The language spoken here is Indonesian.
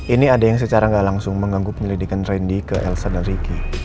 ini ada yang secara tidak langsung mengganggu penyelidikan randy ke elsa dan ricky